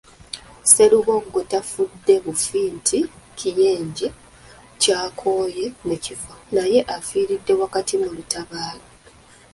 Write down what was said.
Sserubogo tafudde bufi nti kiyenje kyakooye ne kifa naye afiiridde wakati mu lutabaalo.